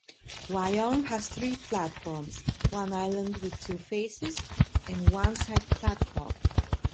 Wyong has three platforms, one island with two faces and one side platform.